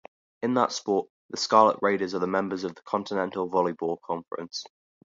In that sport, the Scarlet Raiders are members of the Continental Volleyball Conference.